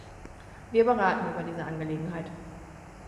Wir beraten über diese Angelegenheit.